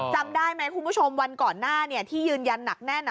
จำได้ไหมคุณผู้ชมวันก่อนหน้าที่ยืนยันหนักแน่น